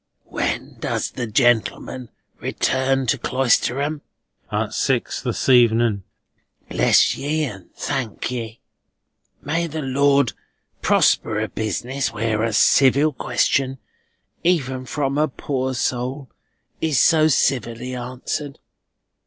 When does the gentleman return to Cloisterham?" "At six this evening." "Bless ye and thank ye. May the Lord prosper a business where a civil question, even from a poor soul, is so civilly answered!"